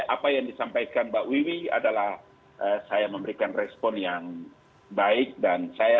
apa yang disampaikan mbak wiwi adalah saya memberikan respon yang baik dan saya